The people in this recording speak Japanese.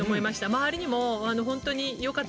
周りにも本当に」。